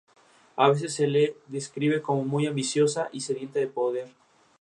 A veces se la describe como muy ambiciosa y sedienta de poder.